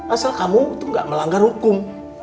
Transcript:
asal kamu itu nggak melanggar hukum